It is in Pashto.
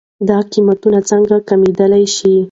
دا قيمتونه څنکه کمېدلی شي؟